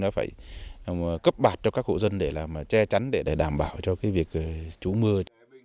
đã phải cấp bạt cho các hộ dân để làm che chắn để đảm bảo cho cái việc chú mưa